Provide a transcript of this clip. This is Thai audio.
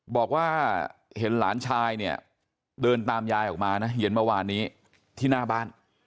บอกว่าเห็นหลานชายเนี่ยเดินตามยายออกมานะเย็นเมื่อวานนี้ที่หน้าบ้าน